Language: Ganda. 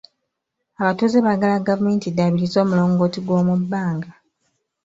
Abatuuze baagala gavumenti eddaabirize omulongooti gw'omu bbanga.